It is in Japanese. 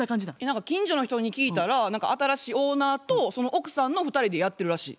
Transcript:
近所の人に聞いたら新しいオーナーとその奥さんの２人でやってるらしい。